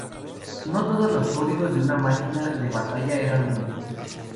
No todos los códigos de una máquina de batalla eran únicos.